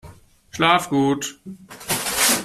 Schlaf gut!